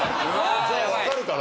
じゃあわかるかな。